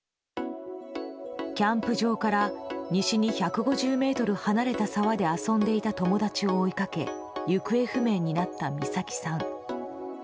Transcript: キャンプ場から西に１５０ｍ離れた沢で遊んでいた友達を追いかけ行方不明になった美咲さん。